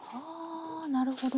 あなるほど。